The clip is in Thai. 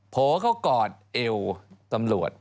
ขนเขากอดเอวตำรวจ